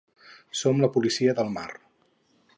Som la policia del mar